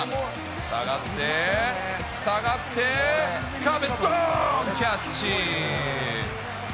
下がって、下がって、壁どーんキャッチ。